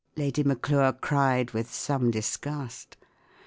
" Lady Maclure cried, with some disgust.